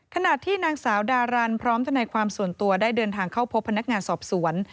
ขณะที่นางสาวดารันพร้อมทนายความส่วนตัวได้เดินทางเข้าพบพนักงานสอบสวน